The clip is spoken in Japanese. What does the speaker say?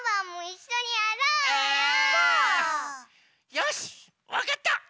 よしわかった！